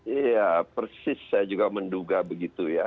iya persis saya juga menduga begitu ya